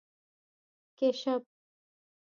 🐢 کېشپ